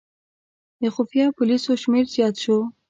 د خفیه پولیسو شمېر زیات شو.